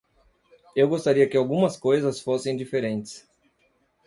Eu gostaria que algumas coisas fossem diferentes.